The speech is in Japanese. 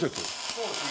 そうですね。